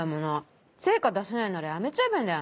成果出せないならやめちゃえばいいんだよ